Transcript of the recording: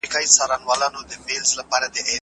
د خوړو مسمومیت د بدن اوبه وچوي.